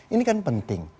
ini kan penting